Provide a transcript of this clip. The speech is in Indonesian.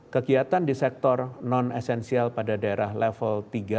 kegiatan di sektor non esensial pada daerah level tiga